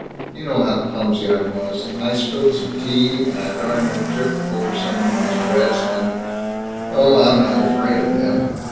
You know how clumsy I was. I spilled some tea, and I darn near tripped over some woman's dress and Oh, I'm not afraid of them.